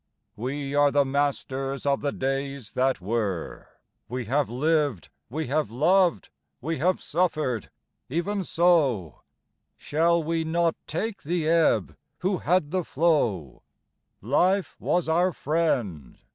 We are the masters of the days that were: We have lived, we have loved, we have suffered ... even so. Shall we not take the ebb who had the flow? Life was our friend.